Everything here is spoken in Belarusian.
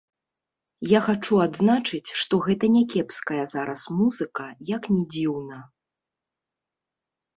Я хачу адзначыць, што гэта някепская зараз музыка, як ні дзіўна.